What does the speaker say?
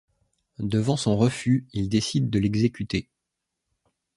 Devant son refus, ils décident de l'exécuter.